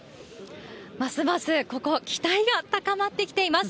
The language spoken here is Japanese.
ますますここ、期待が高まってきています。